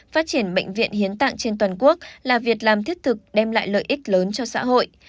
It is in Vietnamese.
phát triển bệnh viện hiến tạng trên toàn quốc là việc làm thiết thực đem lại lợi ích lớn cho xã hội